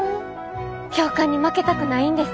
教官に負けたくないんです。